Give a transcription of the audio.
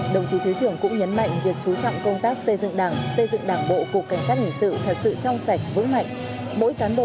đồng chí thứ trưởng cũng nhấn mạnh việc chú trọng công tác xây dựng đảng xây dựng đảng bộ cục cảnh sát hình sự thật sự trong sạch vững mạnh